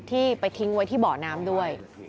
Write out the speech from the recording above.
ที่ไปทิ้งไว้ที่เบาะน้ำด้วย